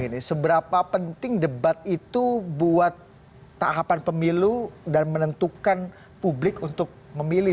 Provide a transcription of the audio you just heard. ini seberapa penting debat itu buat tahapan pemilu dan menentukan publik untuk memilih